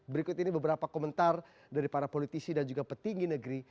berikut ini beberapa komentar dari para politisi dan juga petinggi negeri